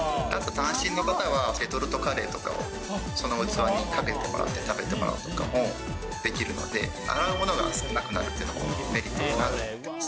単身の方は、レトルトカレーとかをその器にかけてもらって食べてもらうとかもできるので、洗うものが少なくなるというのもメリットかなと思います。